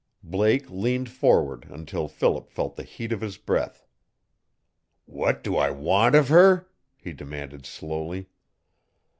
Blake leaned forward until Philip felt the heat of his breath. "What do I WANT of her?" he demanded slowly.